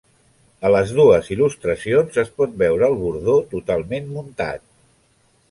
A les dues il·lustracions es pot veure el bordó totalment muntat.